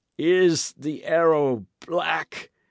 "Is the arrow black?"